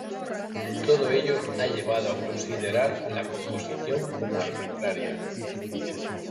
Todo ello ha llevado a considerar la composición como arbitraria.